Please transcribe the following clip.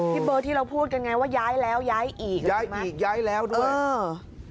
เบอร์ที่เราพูดกันไงว่าย้ายแล้วย้ายอีกย้ายอีกย้ายแล้วด้วยเออ